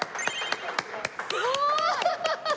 すごーい！